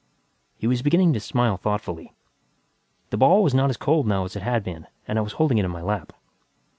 He was beginning to smile thoughtfully. The ball was not as cold now as it had been and I was holding it in my lap.